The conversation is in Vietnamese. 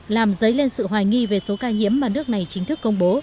làm dấy lên sự hoài nghi về số ca nhiễm mà nước này chính thức công bố